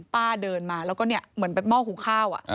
ป้าเดินมาแล้วก็เหมือนไปมอบหูข้าว